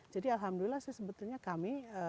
jadi alhamdulillah sih sebetulnya kami